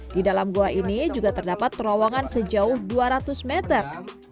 di dalam gua ini juga terdapat terowongan sejauh dua ratus meter